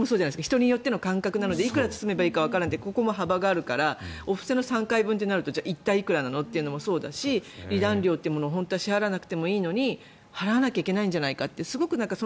人によっての感覚なのでいくら包めばいいかわからない幅があるのでお布施の３回分ってなると一体いくらなのというのもそうだし、離檀料というのも本当は支払わなくてもいいのに払わなきゃいけないんじゃないかと。